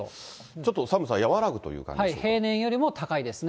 ちょっと寒さ和らぐという感じですね。